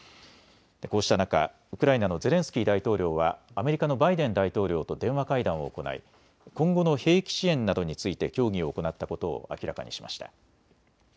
こうした中、ウクライナのゼレンスキー大統領はアメリカのバイデン大統領と電話会談を行い、今後の兵器支援などについて協議を行ったことを明らかにしました。